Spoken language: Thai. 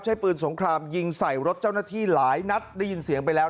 ใช้ปืนสงครามยิงใส่รถเจ้าหน้าที่หลายนัดได้ยินเสียงไปแล้ว